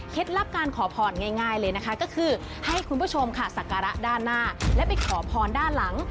ลับการขอพรง่ายเลยนะคะก็คือให้คุณผู้ชมค่ะสักการะด้านหน้าและไปขอพรด้านหลัง